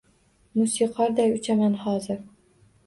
Musiqorday uchaman hozir.